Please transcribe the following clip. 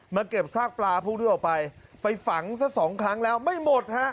เก็บซากปลาพวกนี้ออกไปไปฝังซะสองครั้งแล้วไม่หมดฮะ